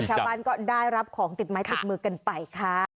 ชาวบ้านก็ได้รับของติดไม้ติดมือกันไปค่ะ